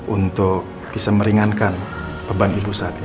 untuk bisa meringankan beban ibu saat ini